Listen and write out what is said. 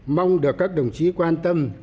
mong được các đồng chí quan tâm